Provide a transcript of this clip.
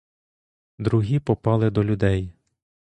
Другі попали до людей.